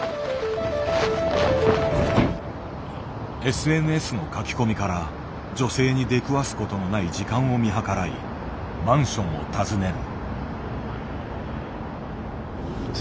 ＳＮＳの書き込みから女性に出くわすことのない時間を見計らいマンションを訪ねる。